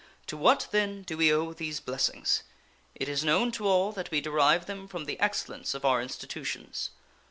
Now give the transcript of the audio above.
To what, then, do we owe these blessings? It is known to all that we derive them from the excellence of our institutions.